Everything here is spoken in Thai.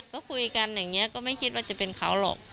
ก็คุยกันอย่างนี้ก็ไม่คิดว่าจะเป็นเขาหรอก